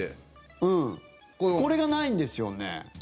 これがないんですよね。